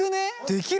できる？